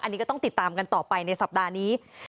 อันนี้ก็ต้องติดตามกันต่อไปในสัปดาห์นี้